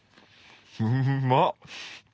うまっ！